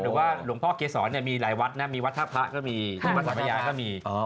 หรือว่าหลวงพ่อเกษรมีหลายวัดนะมีวัดท่าพระก็มีที่วัดศาลพระยาก็มี